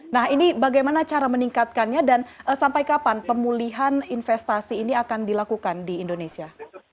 nah ini bagaimana cara meningkatkannya dan sampai kapan pemulihan investasi ini akan dilakukan di indonesia